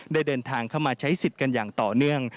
เดินทางเข้ามาใช้สิทธิ์กันอย่างต่อเนื่อง